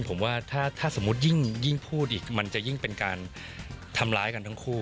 ผมว่าถ้าสมมุติยิ่งพูดอีกมันจะยิ่งเป็นการทำร้ายกันทั้งคู่